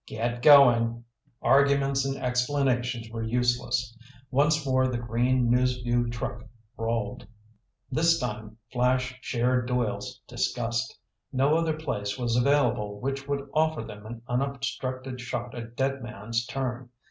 "Get going!" Arguments and explanations were useless. Once more the green News Vue truck rolled. This time Flash shared Doyle's disgust. No other place was available which would offer them an unobstructed shot at Dead Man's turn.